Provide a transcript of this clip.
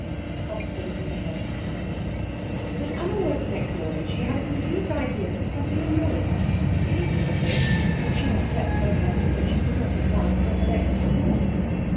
CHAPTER VII When Anna woke next morning she had a confused idea that something annoying had happened the evening before, but she had slept so heavily that she could not at once recollect what it was.